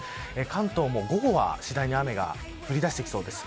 関東も午後は、次第に雨が降りだしてきそうです。